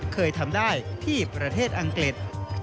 เคยทำได้ที่ประเทศอังกฤษ